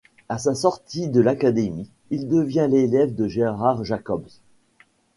À sa sortie de l'académie, il devient l'élève de Gérard Jacobs.